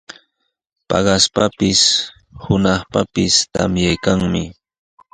Paqaspis, puntrawpis tamyaykanmi.